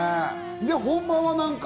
で本番は何回？